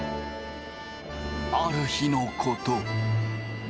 ある日のこと。